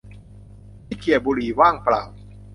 ที่เขี่ยบุหรี่ว่างเปล่า